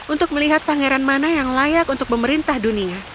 untuk melihat pangeran mana yang layak untuk memerintah dunia